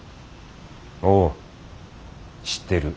おう知ってる。